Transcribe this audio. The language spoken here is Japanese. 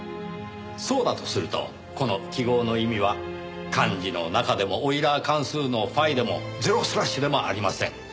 そうだとするとこの記号の意味は漢字の「中」でもオイラー関数のφでもゼロスラッシュでもありません。